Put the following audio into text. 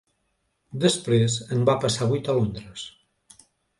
Després en va passar vuit a Londres.